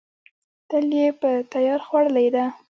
تل یې په تیار خوړلې ده.